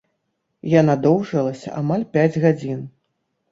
Яна доўжылася амаль пяць гадзін.